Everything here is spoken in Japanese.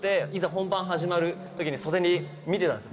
本番始まる時に袖で見てたんです